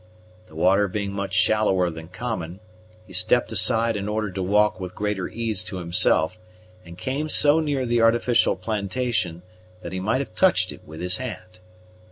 The water being much shallower than common, he stepped aside, in order to walk with greater ease to himself and came so near the artificial plantation that he might have touched it with his hand.